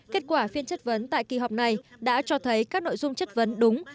kết quả phiên chất vấn tại kỳ họp này đã cho thấy các nội dung chất vấn đúng